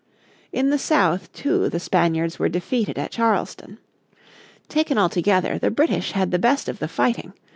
In the South, too, the Spaniards were defeated at Charleston. Taken altogether the British had the best of the fighting.